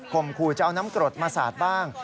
มขู่จะเอาน้ำกรดมาสาดบ้าง